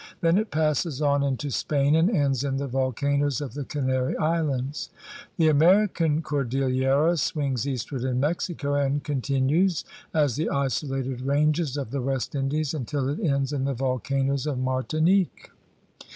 Then it passes on into Spain and ends in the volcanoes of the Canary Islands. The American cordillera swings eastward in Mexico and con tinues as the isolated ranges of the West Indies until it ends in the volcanoes of Martinique.